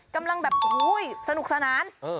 กำลังแบบสนุกสนาน